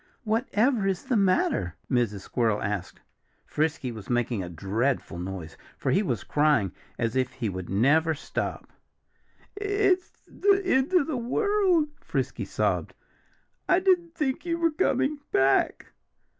"Whatever is the matter?" Mrs. Squirrel asked. Frisky was making a dreadful noise, for he was crying as if he would never stop. "It's the end of the world!" Frisky sobbed. "I didn't think you were coming back."